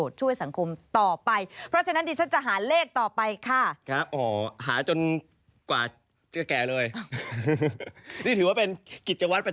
อ๋อกุณนุโสพระสลายอยากได้เลขอะไรตรงนี้มา